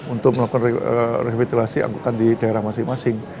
untuk melakukan revitalisasi angkutan di daerah masing masing